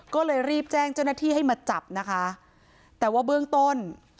ก็เลยรีบแจ้งเจ้าหน้าที่ให้มาจับนะคะแต่ว่าเบื้องต้น